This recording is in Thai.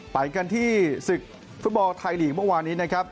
ไปกันที่ศึกฟุตบอลไทยลีกเมื่อวานนี้นะครับ